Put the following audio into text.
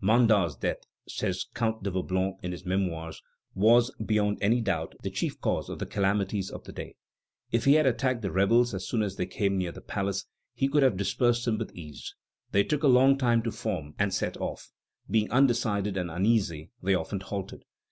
"Mandat's death," says Count de Vaublanc in his Memoirs, "was, beyond any doubt, the chief cause of the calamities of the day. If he had attacked the rebels as soon as they came near the palace, he could have dispersed them with ease. They took a long time to form and set off; and, being undecided and uneasy, they often halted.